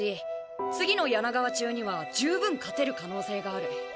次の柳川中には十分勝てる可能性がある。